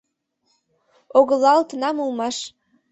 Огылалтынам улмаш.